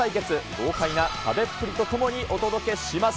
豪快な食べっぷりとともにお届けします。